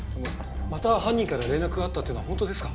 また犯人から連絡があったっていうのは本当ですか？